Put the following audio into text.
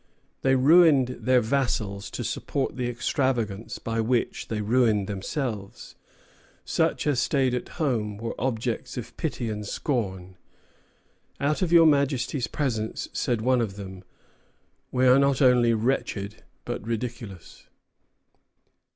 They ruined their vassals to support the extravagance by which they ruined themselves. Such as stayed at home were objects of pity and scorn. "Out of your Majesty's presence," said one of them, "we are not only wretched, but ridiculous."